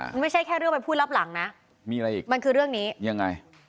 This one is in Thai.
มันไม่ใช่แค่เรื่องไปพูดรับหลังนะมีอะไรอีกมันคือเรื่องนี้ยังไง